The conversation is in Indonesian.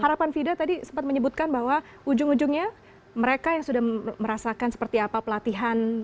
harapan fida tadi sempat menyebutkan bahwa ujung ujungnya mereka yang sudah merasakan seperti apa pelatihan